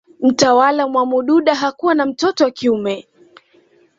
Mtawala Mwamududa hakuwa na mtoto wa kiume